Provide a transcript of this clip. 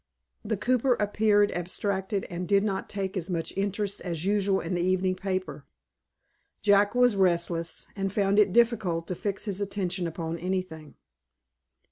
The cooper appeared abstracted, and did not take as much interest as usual in the evening paper. Jack was restless, and found it difficult to fix his attention upon anything.